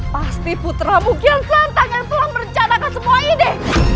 pasti putramu kian santang yang telah merencanakan semua ini